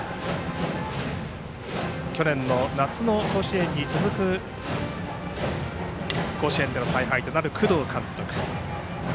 去年の夏の甲子園に続く甲子園での采配となる工藤監督。